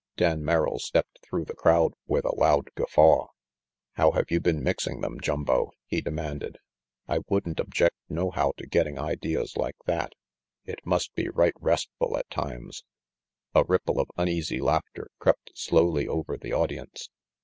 Dan Merrill stepped through the crowd with a loud guffaw. "How have you been mixing them, Jumbo?" he demanded. "I wouldn't object nohow to getting ideas like that. It must be right restful at times." A ripple of uneasy laughter crept slowly over the audience.